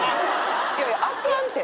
いやいやあかんて。